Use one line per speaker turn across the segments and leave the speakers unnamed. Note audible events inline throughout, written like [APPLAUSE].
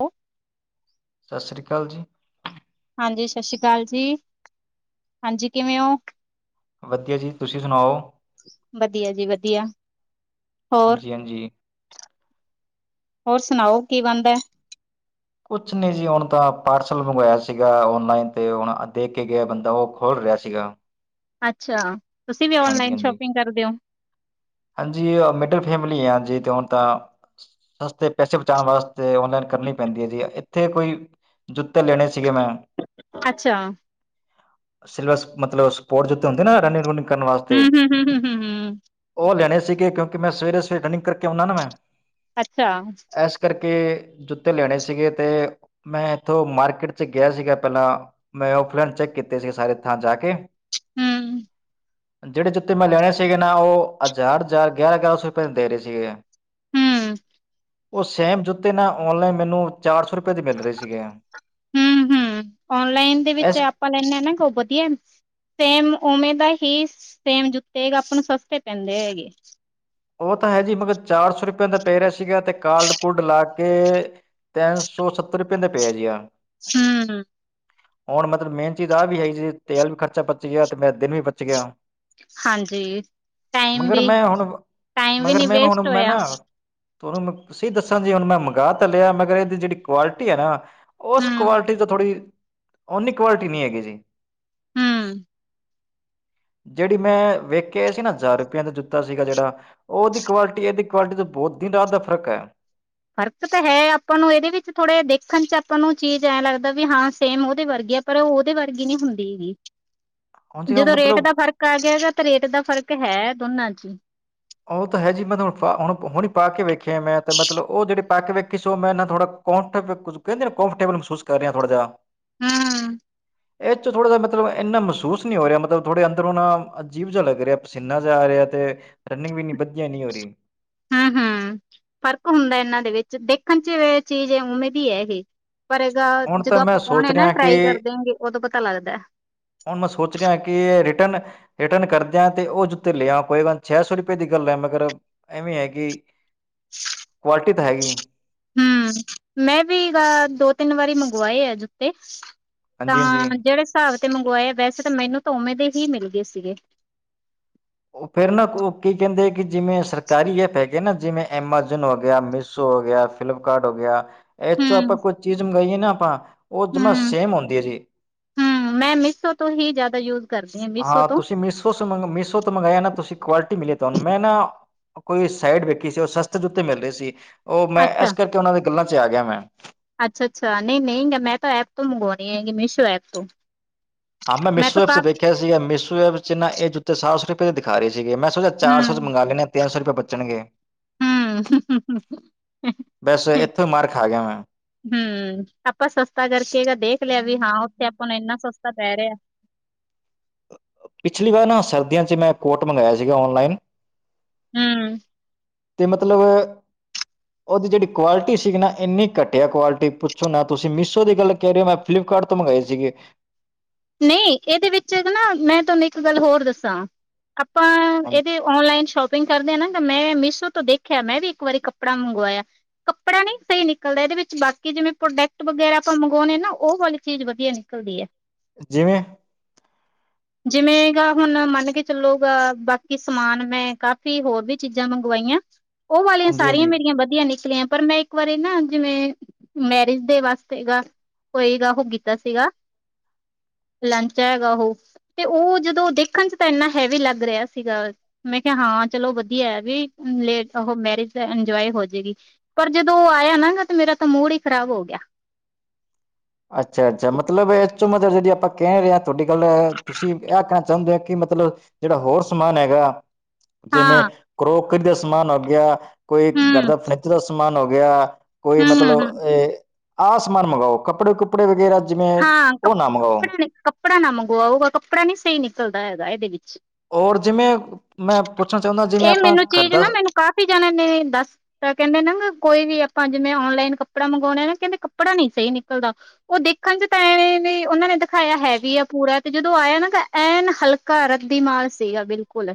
ਹੈ [UNINTELLIGIBLE]
ਸਸ੍ਰੀ ਕਾਲ ਜੀ
ਹਾਂਜੀ ਸ਼ਸ਼ੀ ਕਾਲ ਜੀ ਹਾਂਜੀ ਕਿਵੇਂ ਓ
ਵਧੀਆ ਜੀ ਤੁਸੀਂ ਸੁਨਾਓ
ਵਧੀਆ ਜੀ ਵਧੀਆ ਹੋਰ
ਹਾਂਜੀ ਹਾਂਜੀ
ਹੋਰ ਸੁਨਾਓ ਕੀ ਬਣਦਾ ਐ
ਕੁਛ ਨਹੀਂ ਜੀ ਹੁਣ ਤਾਂ ਪਾਰਸਲ ਮੰਗਵਾਇਆ ਸੀਗਾ ਔਨਲਾਈਨ ਤੇ ਹੁਣ ਦੇ ਕੇ ਗਿਆ ਬੰਦਾ ਉਹ ਖੋਲ੍ਹ ਰਿਹਾ ਸੀਗਾ
ਅੱਛਾ ਤੁਸੀਂ ਵੀ
ਹਾਂਜੀ
ਔਨਲਾਈਨ
ਹਾਂਜੀ
ਸ਼ੋਪਿੰਗ ਕਰਦੇ ਓ
ਹਾਂਜੀ ਮਿਡਲ ਫੈਮਿਲੀ ਆ ਜ ਤੇ ਹੁਣ [UNINTELLIGIBLE] ਤਾਂ ਸਸਤੇ ਪੈਸੇ ਬਚਾਣ ਵਾਸਤੇ ਔਨਲਾਈਨ ਕਰਨੀ ਪੈਂਦੀ ਹੈ ਜੀ ਇੱਥੇ ਕੋਈ ਜੁੱਤੇ ਲੈਣੇ ਸੀਗੇ ਮੈਂ
ਅੱਛਾ
ਸਿਲੇਬਸ ਮਤਲਬ ਸਪੋਰਟਸ ਜ ਉੱਤੇ ਹੁੰਦੇ ਨਾ ਰਨਿੰਗ ਰੂਨਿੰਗ ਕਰਨ ਵਾਸਤੇ
ਹਮ ਹਮ ਹਮ ਹਮ ਹਮ ਹਮ
ਉਹ ਲੈਣੇ ਸੀਗੇ ਕਿਉਂਕਿ ਮੈਂ ਸਵੇਰੇ ਸਵੇਰੇ ਰਨਿੰਗ ਕਰਕੇ ਆਉਨਾ ਨਾ ਮੈਂ
ਅੱਛਾ
ਐਸ ਕਰਕੇ ਜੁੱਤੇ ਲੈਣੇ ਸੀਗੇ ਤੇ ਮੈਂ ਐਥੋਂ ਮਾਰਕੀਟ ਚ ਗਿਆ ਸੀਗਾ ਪਹਿਲਾਂ ਮੈਂ ਫਲਾਨ ਚੈੱਕ ਕੀਤੇ ਸੀਗੇ ਸਾਰੇ ਥਾਂ ਜਾ ਕੇ
ਹਮ
ਜਿਹੜੇ ਜੁੱਤੇ ਮੈਂ ਲੈਣੇ ਸੀਗੇ ਨਾ ਉਹ ਹਜ਼ਾਰ ਹਜ਼ਾਰ ਗਿਆਰਾਂ ਗਿਆਰਾਂ ਸੌ ਰੁਪਏ ਦੇ ਰਹੇ ਸੀਗੇ
ਹਮ
ਉਹ ਸੇਮ ਜੁੱਤੇ ਨਾ ਓਨਲਾਈਨ ਮੈਨੂੰ ਚਾਰ ਸੌ ਰੁਪਏ ਦੇ ਮਿਲ ਰਹੇ ਸੀਗੇ
ਹਮ ਹਮ ਔਨਲਾਈਨ ਦੇ ਵਿੱਚ
ਇਸ
ਆਪਾਂ ਲੈਂੇ ਹਾਂ ਨਾ ਗ [UNINTELLIGIBLE] ਉਹ ਵਧੀਆ ਸੇਮ ਉਵੇਂ ਦਾ ਹੀ ਸੇਮ ਜੁੱਤੇ ਹੈ [UNINTELLIGIBLE] ਆਪਾਂ ਨੂੰ ਸਸਤੇ ਪੈਂਦੇ ਹੈਗੇ
ਉਹ ਤਾਂ ਹੈ ਜੀ ਮਗਰ ਚਾਰ ਸੌ ਰੁਪੇ ਦਾ ਪੈ ਰਿਹਾ ਸੀਗਾ ਤੇ ਕਾਰਡ ਕੁਡ ਲਾ ਕੇ ਤੈਨ ਸੌ ਸੱਤਰ ਰੁਪਏ ਦਾ ਪਿਆ ਜੀ ਯਾਰ
ਹਮ ਹਮ
ਹੁਣ ਮਤਲਬ ਮੇਨ ਚੀਜ਼ ਆਹ ਵੀ ਹੈਗੀ ਜੀ ਤੇਲ ਵੀ ਖਰਚਾ ਪਚ ਗਿਆ ਤੇ ਮੈਂ ਦਿਨ ਵੀ ਬਚ ਗਿਆ
ਹਾਂਜੀ ਟਾਈਮ
ਮਗਰ
ਵੀ
ਮੈਂ ਹੁਣ
ਟਾਈਮ ਵੀ ਨੀ ਵੇਸਟ ਹੋਇਆ
ਉਹਨੂੰ ਮੈਂ ਦੱਸਾਂ ਜੀ ਹੁਣ ਮੈਂ ਮੰਗਾਵਾ ਤਾਂ ਲਿਆ। ਮਗਰ ਇਹਦੀ ਜਿਹੜੀ ਕੁਆਲਿਟੀ ਹੈ ਨਾ। ਉਸ
ਹਮ
ਕੁਆਲਿਟੀ ਤੋਂ ਥੋੜ੍ਹੀ, ਓਨੀ ਕੁਆਲਿਟੀ ਨਹੀਂ ਹੈਗੀ ਜੀ।
ਹਮ
ਜਿਹੜੀ ਮੈਂ ਵੇਖਿਆ ਸੀ ਨਾ, ਹਜ਼ਾਰ ਰੁਪਆ ਦਾ ਜੁਤਾ ਸੀਗਾ। ਜਿਹੜਾ ਉਹਦੀ ਕੁਆਲਿਟੀ, ਇਹਦੀ ਕੁਆਲਿਟੀ ਤੋਂ ਬਹੁਤ ਹੀ ਦਿਨ- ਰਾਤ ਦਾ ਫ਼ਰਕ ਹੈ।
ਫ਼ਰਕ ਤਾਂ ਹੈ। ਆਪਾਂ ਨੂੰ, ਇਹਦੇ ਵਿੱਚ ਥੋੜ੍ਹੇ ਦੇਖਣ ਚ, ਆਪਾਂ ਨੂੰ ਚੀਜ਼ ਐਂ ਲੱਗਦਾ ਵੀ ਹਾਂ। ਸੇਮ ਉਹਦੇ ਵਰਗੇ ਆ। ਪਰ ਉਹ ਉਹਦੇ ਵਰਗੀ ਨਹੀਂ ਹੁੰਦੀ ਹੈਗੀ।
ਹੁਣ ਜੀ
ਜਦੋਂ ਰੇਟ
ਮਤਲਬ
ਦਾ ਫ਼ਰਕ ਆ ਗਿਆ। ਗਾ ਤਾਂ ਰੇਟ ਦਾ ਫ਼ਰਕ ਹੈ ਦੋਨਾਂ ਚ, ਹੀ
ਉਹ ਤਾਂ ਹੈ। ਜੀ ਮੈਂ ਹੁਣ ਹੁਣੀ ਪਾ ਕੇ ਵੇਖਿਆ। ਮੈਂ ਤੇ ਮਤਲਬ ਉਹ ਜਿਹੜੇ ਪਾ ਕੇ ਵੇਖੀ ਸੀ। ਉਹ ਮੈਂ ਨਾ ਥੋੜਾ ਫ ਕਦੇਫਰੇਬ ਮਹਿੂਸ ਕਰਹੇਹਾ ਥੋੜ੍ਹਾਿਹਾ
ਹਾਂ
ਇਹ ਚ, ਥੋੜਾ ਜਿ ਮਤਲਬ, ਇੰਨਾ ਮਹਿਸੂਸ ਨਹੀਂ ਹੋ ਰਿਹਾ। ਮਤਲਬ ਥੋੜੇ ਅੰਦਰ ਹੋਣਾ, ਅਜੀਬ ਜਿਹਾ ਲੱਗ ਰਿਹਾ। ਪਸੀਨਾ ਜਾ ਰਿਹਾ ਤੇ, ਰਨਿੰਗ ਵੀ ਇੰਨੀ ਵਧੀਆ ਨਹੀਂ ਹੋ ਰਹੀ।
ਹਮ- ਹਮ ਫ਼ਰਕ ਹੁੰਦਾ। ਇਹਨਾਂ ਦੇ ਵਿੱਚ ਦੇਖਣ ਚ, ਇਹ ਚੀਜ਼ ਉਵੇਂ ਦੀ ਹੈ। ਇਹ ਪਰ ਇਹ ਗਾ
ਹੁਣ ਤਾਂ
ਜਦੋਂ
ਮੈਂ
ਆਪਾਂ
ਸੋਚ
ਪਾਉਣੇ ਨਾ,
ਰਿਹਾ ਕਿ
ਟਰਾਈ ਕਰ ਦੇਗੇ ਉਦੋਂ ਪਤਾ ਲੱਗਦਾ।
ਹੁਣ ਮੈਂ ਸੋਚ ਰਿਹਾ। ਕਿ ਇਹ ਰਿਟਰਨ ਰਿਟਰਨ ਕਰਦਿਆਂ ਤੇ ਉਹ ਜੁੱਤੇ ਲਿਆ। ਕੋਈ ਛੇ ਸੌ ਰੁਪਏ ਦੀ ਗੱਲ ਹੈ। ਮਗਰ ਐਵੇਂ ਹੈਗੀ, ਕੁਆਲਿਟੀ ਤਾਂ ਹੈਗੀ।
ਹਮ, ਮੈਂ ਵੀ ਦੋ- ਤਿੰਨ ਵਾਰੀ ਮੰਗਵਾਏ ਆ ਜੁੱਤੇ।
ਹਾਂਜੀ ਹਾਂਜੀ
ਤਾਂ ਜਿਹੜੇ ਹਿਸਾਬ ਤੇ ਮੰਗਵਾਏ ਆ। ਵੈਸੇ ਤਾਂ ਮੈਨੂੰ ਤਾਂ ਉਵੇਂ ਦੇ ਹੀ ਮਿਲ ਗਏ ਸੀਗੇ।
ਉਹ ਫੇਰ ਨਾ ਕੀ ਕਹਿੰਦੇ, ਕਿ ਜਿਵੇਂ ਸਰਕਾਰੀ ਐਪ ਹੈਗੇ ਨਾ। ਜਿਵੇਂ ਐਮਾਜੋਨ ਹੋ ਗਿਆ, ਮੀਸ਼ੋ ਹੋ ਗਿਆ। ਫਲਿੱਪਕਾਰਟ ਹੋ ਗਿਆ। ਇਹ ਚੋਂ, ਆਪਾਂ
ਹੂੰ
ਕੁਝ ਚੀਜ਼ ਮੰਗਾਈਏ ਨਾ। ਆਪਾਂ ਉਹ ਜਮਾ ਸੇਮ ਹੁੰਦੀ ਹੈ ਜੀ।
ਹਮ, ਮੈਂ ਮੀਸ਼ੋ ਤੋਂ ਹੀ ਜ਼ਿਆਦਾ ਯੂਜ ਕਰਦੀ ਮੀਸੋ
ਹਾਂ।
ਤੋਂ
ਤੁਸੀਂ ਮੀਸ਼ੋ- ਮੀਸ਼ੋ ਤੋਂ ਮੰਗਾਇਆ ਨਾ। ਤੁਸੀਂ ਕੁਆਲਿਟੀ ਮਿਲੀ, ਤੁਹਾਨੂੰ ਮੈਂ ਨਾ ਕੋਈ ਸਾਈਡ ਵੇਖੀ ਸੀ। ਉਹ ਸਸਤੇ ਜੁੱਤੇ ਮਿਲ ਰਹੇ ਸੀ। ਉਹ ਮੈਂ
ਅੱਛਾ।
ਇਸ ਕਰਕੇ, ਉਹਨਾਂ ਦੇ ਗੱਲਾਂ ਚ, ਆ ਗਿਆ ਮੈਂ।
ਅੱਛਾ-ਅੱਛਾ, ਨਹੀਂ-ਨਹੀਂ ਮੈਂ ਤਾਂ ਐਪ ਤੋਂ ਮੰਗਵਾਉਣੀ ਹੈਗੀ। ਮੀਸ਼ੋ ਐਪ ਤੋਂ।
ਹਾਂ। ਮੈਂ ਮੀਸ਼ੋ
ਤਾਂ
ਐਪਸ
ਕਾ
ਦੇਖਿਆ ਸੀਗਾ। ਮੀਸ਼ੋ ਐਪ ਚ, ਨਾ ਇਹ ਜੁੱਤੇ ਸਾਫ਼ ਸ ਦਿਖਾ ਰਹੇ ਸੀਗੇ। ਮੈਂ ਸੋਚਿਆ ਚਾਰ ਸੌ ਚ,
ਹੂੰ-ਹੂੰ,
ਮੰਗਵਾ ਲੈਂਦੇ ਤਿੰਨ ਸੌ ਰੁਪਏ ਬਚਣਗੇ।
[UNINTELLIGIBLE]
ਬਸ ਇੱਥੋਂ ਹੀ ਮਾਰ ਖਾ ਗਿਆ ਮੈਂ।
ਹਮ, ਆਪਾਂ ਸਸਤਾ ਕਰਕੇ ਦੇਖ ਲਿਆ ਵੀ ਹਾਂ। ਉੱਥੇ ਆਪਾਂ ਨੂੰ ਇੰਨਾ ਸਸਤਾ ਪੈ ਰਿਹਾ।
ਪਿਛਲੀ ਵਾਰ ਨਾ, ਸਰਦੀਆਂ ਮੈਂ ਕੋਟ ਮੰਗਵਾਇਆ ਸੀਗਾ। ਔਨਲਾਈਨ
ਹਮ।
ਅਤੇ ਮਤਲਬ
[UNINTELLIGIBLE]
ਉਹਦੀ ਜਿਹੜੀ ਕੁਆਲਿਟੀ ਸੀਗੀ ਨਾ, ਇੰਨੀ ਘਟਿਆ ਕੁਆਲਿਟੀ ਪੁੱਛੋ ਨਾ। ਤੁਸੀਂ ਮੀਸ਼ੋ ਦੀ ਗੱਲ ਕਹਿ ਰਿਹਾ। ਮੈਂ ਫਲਿਪਕਾਰਟ ਤੋਂ ਮੰਗਵਾਏ ਸੀਗੇ।
ਨਹੀਂ ਇਹਦੇ ਵਿੱਚ ਨਾ, ਮੈਂ ਤੁਹਾਨੂੰ ਇੱਕ ਗੱਲ ਹੋਰ ਦੱਸਾਂ ਆਪਾਂ
ਹਾਂ,
ਇਹਦੇ ਔਨਲਾਈਨ ਸ਼ੋਪਿੰਗ ਕਰਦੇ ਹਾ। ਮੈ ਮੀਸ਼ੋ ਤੋਂ ਦੇਖ ਆਖਿਆ, ਮੈਂ ਵੀ ਇੱਕ ਵਾਰੀ ਕੱਪੜਾ ਮੰਗਵਾਇਆ। ਕੱਪੜਾ ਨਹੀਂ ਸਹੀ ਨਿਕਲਦਾ। ਇਹਦੇ ਵਿੱਚ ਬਾਕੀ ਜਿਵੇਂ ਪ੍ਰੋਡਕਟ ਵਗੈਰਾ, ਆਪਾਂ ਮੰਗਵਾਉਣੇ ਹਾਂ ਨਾ, ਉਹ ਵਾਲੇ ਚੀਜ਼ ਵਧੀਆ ਨਿਕਲਦੀ ਹੈ।
ਜਿਵੇਂ
ਜਿਵੇਂ ਹੁਣ ਮਨਕੇ ਚੱਲੋਗੇ। ਬਾਕੀ ਸਮਾਨ ਮੈਂ ਕਾਫ਼ੀ ਹੋਰ ਵੀ ਚੀਜ਼ਾਂ ਮੰਗਵਾਈਆਂ। ਉਹ ਵਾਲੀਆਂ ਸਾਰੀਆਂ
ਹਾਂਜੀ-ਹਾਂਜੀ।
ਮੇਰੀਆਂ ਵਧੀਆ ਨਿਕਲੀਆਂ। ਪਰ ਮੈਂ ਇੱਕ ਵਾਰੀ ਨਾ, ਜਿਵੇਂ ਮੈਰਿਜ ਦੇ ਵਾਸਤੇ ਗ ਕੋਈ ਗ ਉਹ ਕੀਤਾ ਸੀਗਾ। ਲੰਚਾ ਹੈਗਾ ਉਹ, ਤੇ ਉਹ ਜਦੋਂ ਦੇਖਣ 'ਚ ਤਾਂ ਇਨਾ ਹੈਵੀ ਲੱਗ ਰਿਹਾ ਸੀਗਾ ਮੈਂ ਕਿਹਾ ਹਾਂ ਚਲੋ ਵਧੀਆ ਹੈ ਵੀ, ਲੇ ਉਹ ਮੈਰਿਜ ਇੰਜੋਏ ਹੋਜੂਗੀ ‌। ਪਰ ਜਦੋਂ ਉਹ ਆਇਆ ਨਾ ਗਾ, ਤੇ ਮੇਰਾ ਤਾਂ ਮੂਡ ਹੀ ਖਰਾਬ ਹੋ ਗਿਆ।
ਅੱਛਾ-ਅੱਛਾ ਮਤਲਬ, ਇਸ 'ਚੋਂ ਮੈ ਜੀ ਆਪਾਂ ਕਹਿ ਰਹੇ ਹਾਂ ਤੁਹਾਡੀ ਗੱਲ ਤੁਸੀਂ ਇਹ ਆਖਣਾ ਚਾਹੁੰਦੇ ਹੋ ਕਿ ਮਤਲਬ, ਜਿਹੜਾ ਹੋਰ ਸਮਾਨ ਹੈਗਾ ਜਿਵੇਂ-
ਹਾਂ
ਕਰੋਕਰੀ ਦਾ ਸਮਾਨ ਆ ਗਿਆ ਕੋਈ ਘਰ
ਹਮ
ਦਾ ਫਰਨੀਚਰ ਦਾ ਸਮਾਨ ਹੋ ਗਿਆ, ਕੋਈ
ਹਮ
ਮਤਲਬ
ਹਮ
ਆਹ ਸਮਾਨ ਮੰਗਵਾਓ ਕੱਪੜੇ-ਕੁਪੜੇ ਵਗੈਰਾ ਜਿਵੇਂ,
ਹਾਂ
ਉਹ ਨਾ ਮੰਗਵਾਓ।
ਕੱਪੜਾ ਕੱਪੜਾ ਨਾ ਮੰਗਵਾਉਗਾ, ਕੱਪੜਾ ਨਹੀਂ ਸਹੀ ਨਿਕਲਦਾ ਹੈਗਾ ਇਹਦੇ ਵਿੱਚ।
ਔਰ ਜਿਵੇਂ ਮੈਂ ਪੁੱਛਣਾ ਚਾਹੁੰਦਾ, ਜਿਵੇਂ ਆਪਾਂ ਕਰਦਾ
ਕਾਫੀ ਜਾਣੇ ਨੇ ਦੱਸ ਤਾਂ ਕਹਿੰਦੇ ਨਾ ਕੋਈ ਵੀ ਆਪਾਂ, ਜਿਵੇਂ ਔਨਲਾਈਨ ਕੱਪੜਾ ਮੰਗਵਾਉਣੇ ਆ ਨਾ ਕਹਿੰਦੇ, ਕੱਪੜਾ ਨਹੀਂ ਸਹੀ ਨਿਕਲਦਾ। ਉਹ ਦੇਖਣ 'ਚ ਤਾਂ ਐਨ ਵੀ, ਉਹਨਾਂ ਨੇ ਦਿਖਾਇਆ ਹੈ ਵੀ ਆ ਪੂਰਾ ਤੇ ਜਦੋਂ ਆਇਆ ਨਾ, ਐਨ ਹਲਕਾ ਰੱਦੀ ਮਾਲ ਸੀਗਾ ਬਿਲਕੁਲ।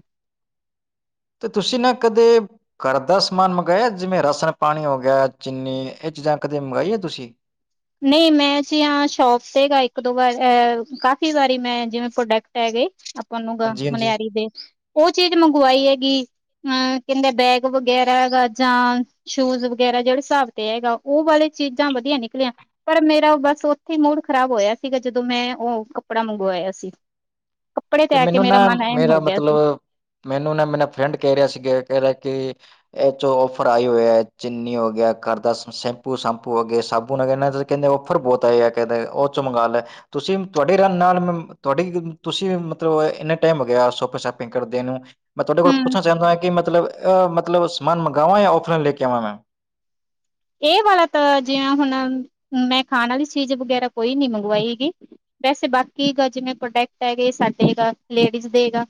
ਤੇ ਤੁਸੀਂ ਨਾ ਕਦੇ ਕਰਦਾ ਸਮਾਨ ਮੰਗਵਾਇਆ, ਜਿਵੇ ਰਾਸਣ ਪਾਣੀ ਹੋ ਗਿਆ, ਚੀਨੀ, ਇਹ ਚੀਜਾ ਕਦੇ ਮੰਗਾਈਏ ਤੁਸੀ?
ਨਹੀ ਮੈ ਜ ਹ ਸ਼ੋਪ ਤੇ ਗ ਇਕ ਦੋ ਵਾਰ, ਕਾਫੀ ਵਾਰੀ ਮੈ ਜਿਵੇ ਪ੍ਰੋਡਕਟ ਹੈਗੇ- ਮਿਲੂਗਾ
ਹਾਂਜੀ ਹਾਂਜੀ
ਮਨਿਆਰੀ ਦੇ, ਉਹ ਚੀਜ਼ ਮੰਗਵਾਈ ਹੈਗੀ। ਹੂੰ, ਕਹਿਦੇ ਬੈਗ ਵਗੈਰਾ ਹੈਗਾ ਜਾਂ- ਸ਼ੂਜ ਵਗੈਰਾ ਜਿਹੜੇ ਹਿਸਾਬ ਤੇ ਹੈਗਾ, ਉਹ ਵਾਲੇ ਚੀਜਾ ਵਧੀਆ ਨਿਕਲਿਆ। ਪਰ ਮੇਰਾ ਬਸ ਉਥੇ ਮੂਡ ਖਰਾਬ ਹੋਇਆ ਸੀਗਾ, ਜਦੋ ਮੈ ਉਹ ਕੱਪੜਾ ਮੰਗਵਾਇਆ ਸੀ। ਕੱਪੜੇ
ਤੇ
ਆ ਕੇ
ਮੈਨੂੰ
ਮੇਰਾ
ਨਾ
ਮਨ ਐਨ
ਮੇਰਾ
ਹੋ ਗਿਆ ਸੀ
ਮਤਲਬ, ਮੈਨੂੰ ਨਾ ਮੇਰਾ ਫਰੈਡ ਕਹਿ ਰਿਹਾ ਸੀਗਾ ਕਹਿ ਰਿਹਾ ਕਿ- ਇਹ 'ਚੋਂ ਔਫਰ ਆਈ ਹੋਏ ਹੈ। ਚੀਨੀ ਹੋ ਗਿਆ, ਕਰ ਦਾ ਸੈਮਪੂ ਹੋ ਗਿਆ, ਸ਼ਾਬੂਨ ਕਹਿਣਾ- ਕਹਿਦੇ ਓਫਰ ਬਹੁਤਏ ਆ, ਕਹਿਦੇ ਉਹ 'ਚੋ ਮੰਗਾਲੈ। ਤੁਸੀਂ ਤੁਹਾਡੇ ਰ ਨਾਲ [UNINTELLIGIBLE] ਤੁਹਾਡੀ ਤੁਸੀਂ ਮਤਲਬ ਇਨਾ ਟਾਈਮ ਹੋ ਗਿਆ, ਸ਼ੋਪਿੰਸ-ਸ਼ਾਪਿੰਗ ਕਰਦੇ ਨੂੰ ਮੈ ਤੁਹਾਡੇ ਕੋਲ
ਹਮ
ਪੁੱਛਣਾ ਚਾਹੁੰਦਾ ਹਾਂ, ਕਿ ਮਤਲਬ -ਮਤਲਬ ਸਮਾਨ ਮੰਗਾਵਾਵਾਂ ਜਾਂ ਔਫਲਾਈਨ ਲੈ ਕੇ ਆਵਾ ਮੈ?
ਇਹ ਵਾਲਾ ਤਾਂ, ਜਿਵੇ ਹੁਣ ਮੈ ਖਾਣ ਵਾਲੀ ਚੀਜ ਵਗੈਰਾ, ਕੋਈ ਨੀ ਮੰਗਵਾਈ ਐਗੀ। ਵੈਸੇ ਬਾਕੀ ਜਿਵੇ ਪ੍ਰੋਡਕਟ ਹੈਗੇ, ਸਾਡੇ ਲੇਡੀਸ ਦੇ ਗਾ-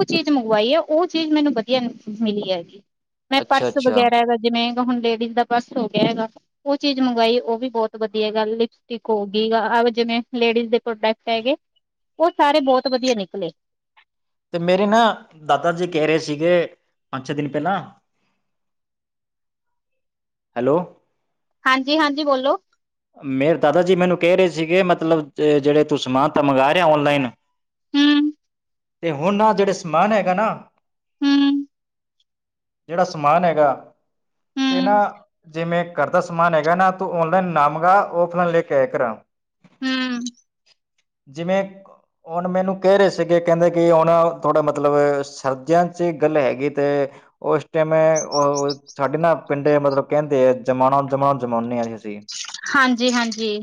ਉਹ ਚੀਜ਼ ਮੰਗਵਾਈ ਹੈ, ਉਹ ਚੀਜ਼ ਮੈਨੂੰ ਵਧੀਆ ਮਿਲੀ ਹੈਗੀ। ਮੈ
ਅੱਛਾ
ਪਰਸ
ਅੱਛਾ
ਵਗੈਰਾ ਦਾ, ਜਿਵੇ ਹੁਣ ਲੇਡੀਸ ਦਾ ਪਰਸ ਹੋ ਗਿਆ ਹੈਗਾ। ਉਹ ਚੀਜ ਮੰਗਵਾਈ, ਉਹ ਵੀ ਬਹੁਤ ਵਧੀਆ, ਲਿਪੀਸਟਿਕ ਹੋ ਗਈ, ਆਜਿਵੇ ਲੇਡੀਜ਼ ਦੇ ਪ੍ਰੋਡਕਟ ਹੈਗੇ। ਉਹ ਸਾਰੇ, ਬਹੁਤ ਵਧੀਆ ਨਿਕਲੇ।
ਤੇ ਮੇਰੇ ਨਾ, ਦਾਦਾ ਜੀ ਕਹਿ ਰਹੇ ਸੀਗੇ, ਪੰਜ ਛੇ ਦਿਨ ਪਹਿਲਾ- ਹੈਲੋ-
ਹਾਂਜੀ- ਹਾਂਜੀ, ਬੋਲੋ-
ਮੇਰੇ ਦਾਦਾ ਜੀ ਮੈਨੂੰ ਕਹਿ ਰਹੇ ਸੀਗੇ ਮਤਲਬ, ਜਿਹੜੇ ਤੂੰ ਸਮਾਨ ਤਾਂ ਮੰਗਾਵਾ ਰਿਹਾ ਔਨਲਾਈਨ-
ਹੂੰ
ਤੇ ਹੁਣ ਆ, ਜਿਹੜੇ ਸਮਾਨ ਹੈਗਾ ਨਾ-
ਹੂੰ
ਜਿਹੜਾ ਸਮਾਨ ਹੈਗਾ, ਤੇ ਨਾ
ਹੂੰ।
ਜਿਵੇ- ਘਰ ਦਾ ਸਮਾਨ ਹੈਗਾ ਨਾ, ਤੂੰ ਔਨਲਾਈਨ ਨਾ ਮਗਵਾ, ਔਫਲਾਈਨ ਲੈਕੇ ਆਇ ਕਰ।
ਹੂੰ
ਜਿਵੇ, ਹੁਣ ਮੈਨੂੰ ਕਹਿ ਰਹੇ ਸੀਗੇ ਕਹਿੰਦੇ- ਕਿ ਹੁਣ ਥੋੜਾ ਮਤਲਬ, ਸਰਦੀਆਂ 'ਚ ਗੱਲ ਹੈਗੀ ਤੇ- ਉਹਸ਼ ਟਾਈਮ, ਮੈ ਉਹ- ਸਾਡੇ ਨਾ ਪਿੰਡ ਮਤਲਬ ਕਹਿਦੇ ਆ, ਜਮਾਨਾ ਜਮਾਨ ਜਮਾਉਦੇ ਹਾਂ ਅਸੀ।
ਹਾਂਜੀ- ਹਾਂਜੀ-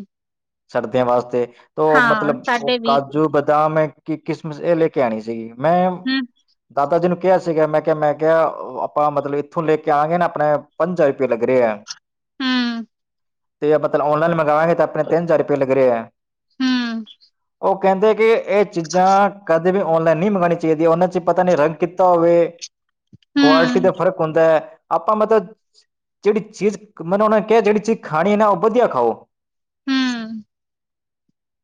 ਸਰਦੀਆਂ ਵਾਸਤੇ ਤੋਂ
ਹਾਂ
ਮਤਲਬ ਉਹ
ਸਾਡੇ ਵੀ
ਕਾਜੂ ਬਦਾਮ ਹੈ- ਕਿ ਕਿਸਮਿਸ ਇਹ ਲੇ ਕੇ ਆਉਣੀ ਸੀਗੀ ਮੈਂ-
ਹੂੰਮ -
ਦਾਦਾ ਜੀ ਨੂੰ ਕਿਹਾ ਸੀਗਾ ਮੈ ਕਿਹਾ ਮੈ ਕਿਹਾ ਆਪਾਂ ਮਤਲਬ ਇਥੋਂ ਲੈਕੇ ਆਵਾਂਗੇ ਨਾ ਆਪਣੇ- ਪੰਜ ਹਜ਼ਾਰ ਰੁਪਏ ਲੱਗ ਰਿਹਾ ਐ।
ਹੂੰ।
ਤੇ ਮਤਲਬ ਔਨਲਾਈਨ ਮੰਗਗਾਵਾਂਗੇ ਤਾਂ ਆਪਣੇ ਤਿੰਨ ਹਜ਼ਾਰ ਰੁਪਏ ਲਗ ਰਹੇ ਹੈ।
ਹੂੰਮ -
ਉਹ ਕਹਿੰਦੇ ਕਿ ਇਹ ਚੀਜ਼ਾ - ਵੀ ਔਨਲਾਈਨ ਨਹੀ ਮੰਗਾਉਣੀ ਚਾਹੀਦੀ, ਉਹਨਾ 'ਚ ਪਤਾ ਨੀ ਰੰਗ ਕੀਤਾ ਹੋਵੇ ਕੁਆਲਿਟੀ
ਹੂੰ,
ਦਾ ਫ਼ਰਕ ਹੁੰਦਾ। ਆਪਾਂ ਮਤਲਬ ਜਿਹੜੀ ਚੀਜ਼ ਮੈਂਨੂੰ ਉਹਨਾਂ ਕਿਹਾ ਜਿਹੜੀ ਚੀਜ ਖਾਣੀ ਹੈ ਨਾ ਉਹ ਵਧੀਆ ਖਾਓ-
ਹੂੰ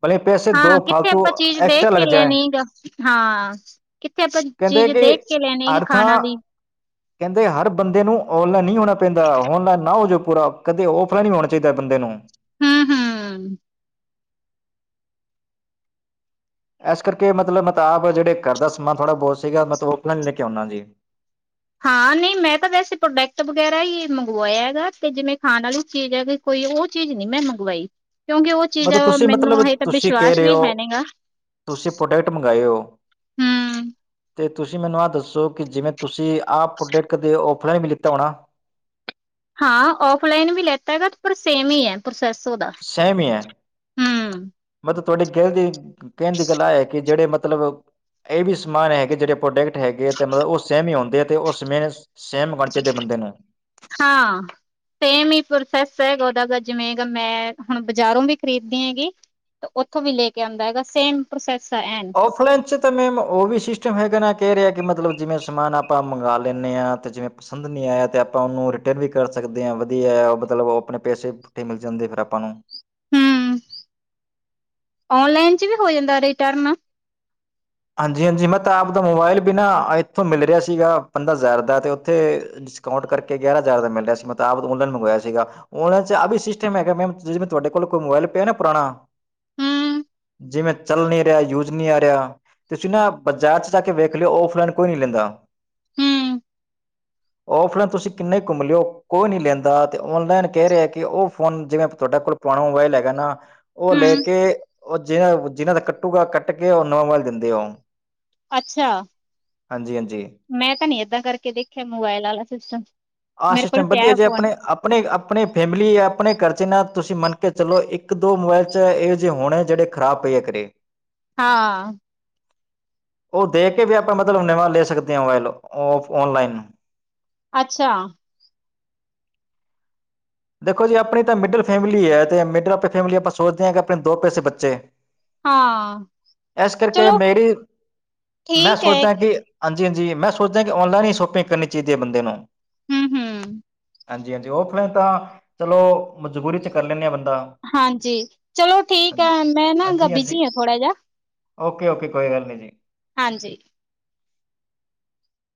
ਭਲੇ ਪੈਸੇ ਦੋ ਫਾਲਤੂ ਐਕਸਟਰਾਂ ਲਗ ਜਾਏ-
ਨੀਗਾ ਹਾਂ ਕਿਥੇ ਆਪਾਂ
ਕਹਿੰਦੇ
ਚੀਜ਼
ਕਿ
ਦੇਖ ਕੇ ਲੈਣੀ
ਹਰ
ਖਾਣਾ
ਥਾਂ
ਵੀ-
ਕਹਿੰਦੇ ਹਰ ਬੰਦੇ ਨੂੰ ਔਨਲਾਈਨ ਨਹੀ ਹੋਣਾ ਪੈਂਦਾ ਹੋਨਲਾਈਨ ਨਾ ਹੋ ਜਾਵੇ ਪੂਰਾ ਕਦੇ ਔਫਲਾਈਨ ਹੋਣਾ ਚਾਹੀਦਾ ਬੰਦੇ ਨੂੰ-
ਹਾਂ- ਹਾਂ-
ਐਸ ਕਰਕੇ ਮਤਲਬ ਮੈਤਾਬ ਜਿਹੜੇ ਘਰ ਦਾ ਸਮਾਨ ਥੋੜ੍ਹਾ ਬਹੁਤ ਸੀਗਾ ਮਤਲਬ ਔਫਲਾਈਨ ਲੈ ਕੇ ਆਂਦਾ ਜੀ-
ਹਾਂ ਨਹੀ ਮੈ ਤਾਂ ਵੈਸੇ ਪ੍ਰੋਡਕਟ ਵਗੈਰਾ ਹੀ ਮੰਗਵਾਇਆ ਹੈਗਾ ਤੇ ਜਿਵੇਂ ਖਾਣ ਵਾਲੀ ਚੀਜ ਹੈਗੀ- ਕੋਈ ਉਹ ਚੀਜ਼ ਨੀ ਮੈਂ ਮੰਗਵਾਈ ਕਿਉਂਕਿ ਉਹ ਚੀਜ
ਮਤਲਬ ਤੁਸੀਂ
ਮੈਨੂੰ
ਮਤਲਬ
ਹਜੇ
ਤੁਸੀਂ ਕਹਿ
ਵਿਸ਼ਵਾਸ
ਰਹੇ
ਵੀ
ਹੋ
ਹੈਨੇ ਗਾ-
ਤੁਸੀਂ ਪ੍ਰੋਡਕਟ ਮੰਗਾਏ ਹੋ
ਹੂੰ।
ਤੇ ਤੁਸੀਂ ਮੈਨੂੰ ਆਹ ਦੱਸੋ ਕਿ ਜਿਵੇਂ ਤੁਸੀਂ ਆਹ ਪ੍ਰਡਕਟ ਕਦੇ ਔਫਲਾਈਨ ਵੀ ਲੀਤਾ ਹੋਣਾ?
ਹਾਂ ਔਫਲਾਈਨ ਵੀ ਲੈਤਾ ਹੈਗਾ ਪਰ ਸੇਮ ਹੀ ਐ ਪ੍ਰੋਸੈਸ ਉਹਦਾ
ਸੈਮ ਹੀ ਐ,
ਹੂੰ
ਮਤਲਬ ਤੁਹਾਡੇ ਕਹਿਣ ਦੀ ਕਹਿਣ ਦੀ ਗੱਲਾਂ ਐ ਕਿ ਜੇਹੜੇ ਮਤਲਬ ਇਹ ਵੀ ਸਮਾਨ ਹੈਗੇ ਜਿਹੜੇ ਪ੍ਰੋਡਕਟ ਹੈਗੇ ਐ ਮਤਲਬ ਉਹ ਸੇਮ ਹੀ ਹੁੰਦੇ ਐ ਤੇ ਉਸ ਮੇਂ ਸੇਮ ਵਜ ਦੇ ਬੰਦੇ ਨੂੰ
ਹਾਂ ਸੇਮ ਹੀ ਪ੍ਰੋਸੈਸ ਹੈਗਾ ਉਹਦਾ ਦਾ ਜਿਵੇਂ ਮੈਂ ਹੁਣ ਬਜ਼ਾਰੋਂ ਵੀ ਖਰੀਦਦੀ ਹੈਗੀ ਉੱਥੋਂ ਵੀ ਲੇ ਕੇ ਆਉਂਦਾ ਹੈਗਾ ਸੇਮ ਪ੍ਰੋਸੈਸ ਐਂ
ਔਫਲਾਈਨ 'ਚ ਤਾਂ ਮੈਮ ਉਹ ਵੀ ਸਿਸਟਮ ਹੈਗਾ ਨਾ ਕਹਿ ਰਿਹਾ ਕਿ ਮਤਲਬ ਜਿਵੇਂ ਸਮਾਨ ਆਪਾਂ ਮੰਗਾ ਲੈਣੇ ਆ ਤੇ ਜਿਵੇਂ ਪਸੰਦ ਨਹੀਂ ਆਇਆ ਤੇ ਆਪਾਂ ਉਹਨੂੰ ਰਿਟਰਨ ਵੀ ਕਰ ਸਕਦੇ ਆਂ ਵਧੀਆ ਆ ਮਤਲਬ ਉਹ ਆਪਣੇ ਪੈਸੇ ਤੇ ਮਿਲ ਜਾਂਦੇ ਫਿਰ ਆਪਾਂ ਨੂੰ
ਹੂੰਮ, ਔਨਲਾਈਨ 'ਚ ਵੀ ਹੋ ਜਾਂਦਾ ਰਿਟਰਨ
ਹਾਂਜੀ- ਹਾਂਜੀ ਮੈਂ ਤਾਂ ਆਪ ਦਾ ਮੋਬਾਇਲ ਬਿਨਾ ਐਥੋਂ ਮਿਲ ਰਿਹਾ ਸੀਗਾ ਬੰਦਾ ਜਿਆਦਾਤਰ ਤੇ ਉੱਥੇ ਡਿਸਕਾਊਂਟ ਕਰਕੇ ਗਿਆਰਾਂ ਹਜ਼ਾਰ ਦਾ ਮਿਲ ਰਿਹਾ ਸੀ ਮੈਂ ਤਾਂ ਆਪ ਔਨਲਾਈਨ ਮੰਗਾਇਆ ਸੀਗਾ ਔਨਲਾਈਨ 'ਚ ਆ ਵੀ ਸਿਸਟਮ ਹੈਗਾ ਮੈਮ ਜਿਮੇ ਤੁਹਾਡੇ ਕੋਲ ਕੋਈ ਮੋਬਾਈਲ ਪਿਆ ਨਾ ਪੁਰਾਣਾ
ਹੂੰ
ਜਿਵੇਂ ਚੱਲ ਨੀ ਰਿਹਾ ਯੂਸ ਨੀ ਆ ਰਿਹਾ ਤੁਸੀਂ ਨਾ ਬਜ਼ਾਰ 'ਚ ਜਾ ਕੇ ਵੇਖ ਲਿਓ ਔਫਲਾਈਨ ਕੋਈ ਨੀ ਲੈਂਦਾ
[INAUDIBLE]
ਔਫਲਾਈਨ ਤੁਸੀਂ ਕਿੰਨਾ ਈ ਘੁੰਮ ਲਿਓ ਕੋਈ ਨੀ ਲੈਂਦਾ ਤੇ ਔਨਲਾਈਨ ਕਹਿ ਰਿਹਾ ਕਿ ਉਹ ਫੋਨ ਜਿਵੇਂ ਤਾਡੇ ਕੋਲ ਪੁਰਾਣਾ ਮੋਬਾਈਲ ਹੈਗਾ ਨਾ ਉਹ ਲੈ
ਹੂੰ
ਕੇ ਉਹ ਜਿਹਨਾ ਜਿਹਨਾਂ ਦਾ ਕੱਟੂਗਾ ਕੱਟ ਕੇ ਉਹ ਨਵਾਂ ਮੋਬਾਈਲ ਦਿੰਦੇ ਉਹ
ਅੱਛਾ,
ਹਾਂਜੀ
ਮੈਂ ਤਾਂ ਨੀ ਏਦਾਂ ਕਰਕੇ ਦੇਖਿਆ ਮੋਬਾਇਲ ਆਲਾ ਸਿਸਟਮ।
ਆਹ
ਮੇਰੇ ਕੋਲ
ਸਿਸਟਮ
ਪਿਆ
ਵਧੀਆ
ਹੈ
ਜੇ
ਫੋਨ
ਅਪਣੇ, ਆਪ ਅਪਣੇ-ਅਪਣੇ ਫੈਮਿਲੀ ਅਪਣੇ ਘਰ'ਚ ਨਾ ਤੁਸੀਂ ਮੰਨਕੇ ਚਲੋ, ਇੱਕ-ਦੋ ਮੋਬੈਲ'ਚ ਇਹੋ ਜਿਹੇ ਹੋਣੇ ਜਿਹੜੇ ਖਰਾਬ ਪ‌ਏ ਆ, ਘਰੇ।
ਹਾ।
ਉਹ ਦੇਕੇ ਵੀ ਆਪਾ ਮਤਲਬ ਨਵਾਂ ਲੈ ਸਕਦੇ ਆ ਮੋਬੈਲ, ਔਫ ਔਨਲਾਈਨ।
ਅੱਛਾ।
ਦੇਖੋ ਜੀ ਆਪਣੀ ਤਾਂ ਮਿਡਲ ਫੈਮਿਲੀ ਐ, ਤੇ ਮਿਡਲ ਫ ਫੈਮਲੀ ਆਪਾਂ ਸੋਚਦੇ ਆ ਕਿ ਆਪਣੇ ਦੋ ਪੈਸੇ ਬੱਚੇ।
ਹਾਂ
ਐਸ ਕਰਕੇ
ਚਲੋ
ਮੇਰੀ, ਮੈਂ
ਠੀਕ ਹੈ
ਸੋਚਦਾਂ ਕਿ ਹਾਂਜੀ-ਹਾਂਜੀ, ਮੈਂ ਸੋਚਦਾ ਕਿ ਔਨਲਾਈਨ ਈ ਸ਼ੋਪਿੰਗ ਕਰਨੀ ਚਾਹੀਦੀ ਐ, ਬੰਦੇ ਨੂੰ।
ਹੂੰ, ਹੂੰ।
ਹਾਂਜੀ-ਹਾਂਜੀ, ਔਫਲੈਨ ਤਾ ਚਲੋ ਮਜ਼ਬੂਰੀ'ਚ ਕਰ ਲੈਂਨੇ ਆ ਬੰਦਾ।
ਹਾਂਜੀ, ਚਲੋ ਠੀਕ ਆ,
ਹਾਂਜੀ
ਮੈਂ ਨਾ ਬਿਜੀ ਆ ਥੋੜਾ ਜਾ
ਓਕੇ-ਓਕੇ, ਕੋਈ ਗੱਲ ਨੀ ਜੀ।
ਹਾਂਜੀ।